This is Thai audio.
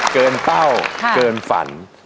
เกินเป้าเกินฝัน